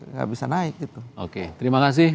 nggak bisa naik gitu oke terima kasih